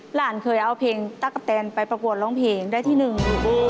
หลานเคยเอาเพลงตะกะแตนไปประกวดร้องเพลงได้ที่หนึ่ง